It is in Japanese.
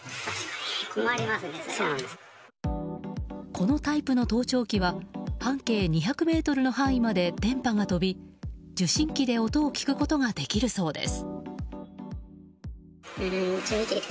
このタイプの盗聴器は半径２００ｍの範囲まで電波が飛び受信機で音を聞くことができるそうです。